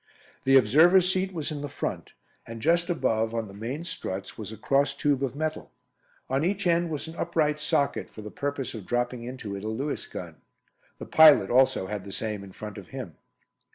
The observer's seat was in the front, and just above, on the main struts, was a cross tube of metal. On each end was an upright socket, for the purpose of dropping into it a Lewis gun. The pilot also had the same in front of him.